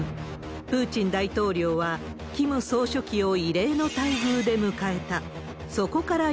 プーチン大統領は、キム総書記を異例の待遇で迎えた。